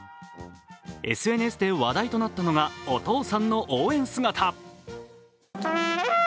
ＳＮＳで話題となったのが、お父さんの応援姿。